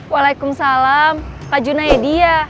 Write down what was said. waalaikumsalam pak junaedi ya